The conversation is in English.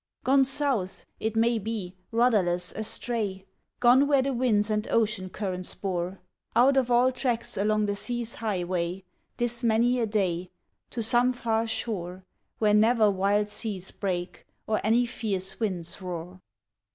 Gone south, it may be, rudderless, astray, Gone where the winds and ocean currents bore, Out of all tracks along the sea's highway This many a day, To some far shore Where never wild seas break, or any fierce winds roar.